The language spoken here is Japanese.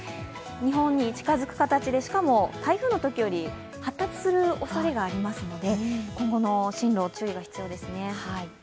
日本に近づく形で、しかも台風のときより発達するおそれがありますので今後の進路、注意が必要ですね。